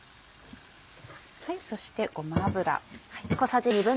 そしてごま油。